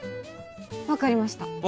わかりました。